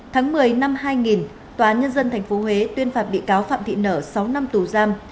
tháng một mươi năm hai nghìn tòa nhân dân tp huế tuyên phạt bị cáo phạm thị nở sáu năm tù giam